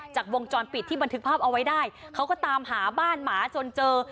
จากวงจรปิดที่บันทึกภาพเอาไว้ได้เขาก็ตามหาบ้านหมาจนเจอ